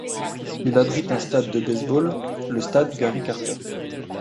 Il abrite un stade de baseball, le stade Gary Carter.